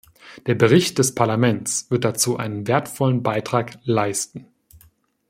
Der Bericht des Parlaments wird dazu einen wertvollen Beitrag leisten.